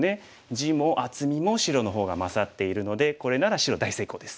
地も厚みも白の方が勝っているのでこれなら白大成功です。